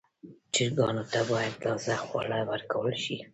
چرګانو ته باید تازه خواړه ورکړل شي.